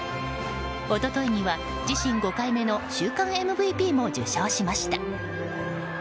一昨日には自身５回目の週間ＭＶＰも受賞しました。